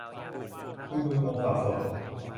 คุณงุนงงสับสน